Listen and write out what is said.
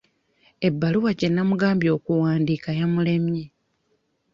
Ebbaluwa gye nnamugambye okuwandiika yamulemye.